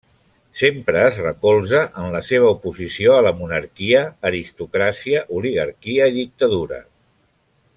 Sempre es recolza en la seva oposició a la monarquia, aristocràcia, oligarquia i dictadura.